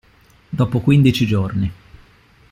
Dopo quindici giorni.